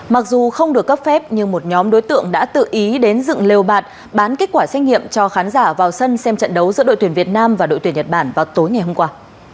mặc dù không được cấp phép nhưng một nhóm đối tượng đã tự ý đến dựng lều bạt bán kết quả xét nghiệm cho khán giả vào sân xem trận đấu giữa đội tuyển việt nam và đội tuyển nhật bản vào tối ngày hôm qua